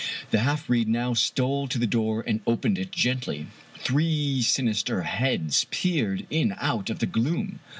The half breed now stole to the door and opened it gently. Three sinister heads peered in out of the gloom.